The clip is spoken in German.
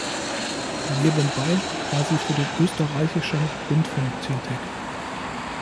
Nebenbei war sie für den Österreichischen Rundfunk tätig.